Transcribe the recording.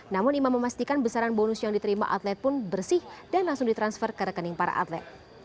namun imam memastikan besaran bonus yang diterima atlet pun bersih dan langsung ditransfer ke rekening para atlet